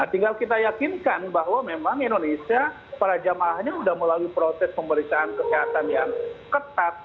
tinggal kita yakinkan bahwa memang indonesia para jamaahnya sudah melalui proses pemeriksaan kesehatan yang ketat